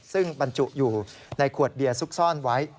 ซึ่งบรรจุอยู่ในขวดเบียร์ซุกซ่อนไว้